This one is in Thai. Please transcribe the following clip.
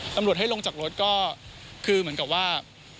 ตำรวจให้ลงจากรถก็คือเหมือนกับว่า